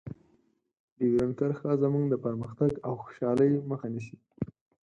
ډیورنډ کرښه زموږ د پرمختګ او خوشحالۍ مخه نیسي.